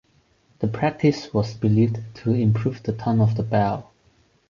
The practice was believed to improve the tone of the bell.